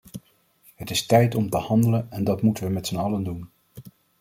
Het is tijd om te handelen en dat moeten we met zijn allen doen!